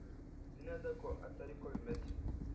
Nzi neza ko atari ko bimeze.